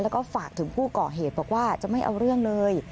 แล้วก็ฝากถึงผู้ก่อเหตุบอกว่าจะไม่เอาเรื่องเลย